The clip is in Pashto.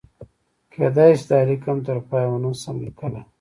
کېدای شي دا لیک هم تر پایه ونه شم لیکلی.